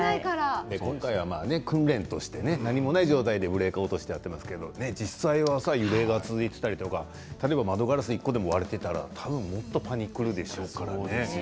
今回は訓練として何もない状態からブレーカーを落としてやっていますけど実際は窓ガラス１個でも割れてたらもっとパニくるでしょうからね。